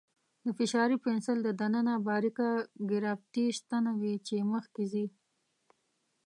د فشاري پنسل دننه باریکه ګرافیتي ستنه وي چې مخکې ځي.